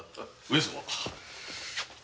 上様。